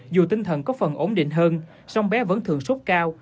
dù tinh thần có phần ổn định hơn song bé vẫn thường sốt cao